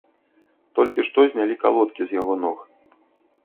Толькі што знялі калодкі з яго ног.